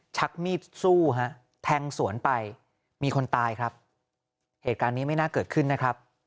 ชักมีดสู้ฮะแทงสวนไปมีคนตายครับเหตุการณ์นี้ไม่น่าเกิดขึ้นนะครับ